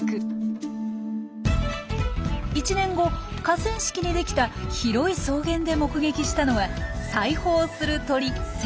１年後河川敷にできた広い草原で目撃したのは裁縫をする鳥セッカ。